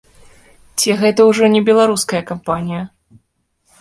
Ці гэта ўжо не беларуская кампанія?